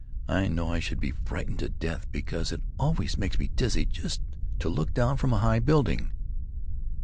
I know I should be frightened to death, because it always makes me dizzy just to look down from a high building."